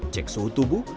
cek suhu tubuh